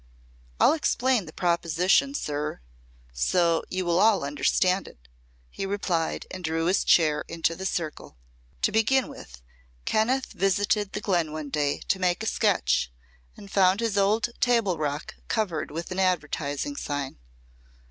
"I'll explain the proposition, sir, so you will all understand it," he replied, and drew his chair into the circle. "To begin with, Kenneth visited the glen one day, to make a sketch, and found his old table rock covered with an advertising sign."